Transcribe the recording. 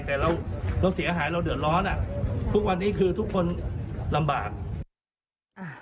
แต่เราเราเสียหายเราเดือดร้อนอ่ะทุกวันนี้คือทุกคนลำบาก